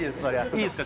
いいですか？